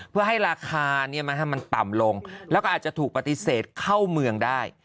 เพื่อให้ราคามันต่ำลงแล้วก็อาจจะถูกปฏิเสธเข้าเมืองได้